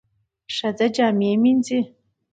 ښځه جامې مینځي.